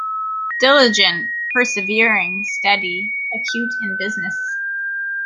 Diligent, persevering, steady, acute in business.